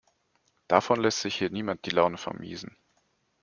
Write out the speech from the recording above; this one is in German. Davon lässt sich hier niemand die Laune vermiesen.